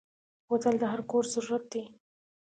بوتل د هر کور ضرورت دی.